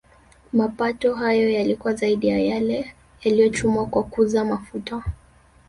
Mapato hayo yalikuwa zaidi ya yale yaliyochumwa kwa kuuza mafuta